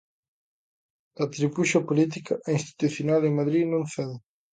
A tirapuxa política e institucional en Madrid non cede.